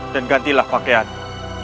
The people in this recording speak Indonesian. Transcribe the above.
dan gantilah pakaianmu